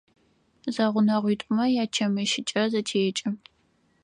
Зэгъунэгъуитӏумэ ячэмыщыкӏэ зэтекӏы.